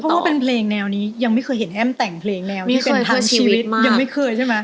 เพราะว่าเป็นเพลงแนวนี้ยังไม่เคยเห็นแอ้มแต่งเพลงแล้วนี่เป็นทั้งชีวิตยังไม่เคยใช่ไหม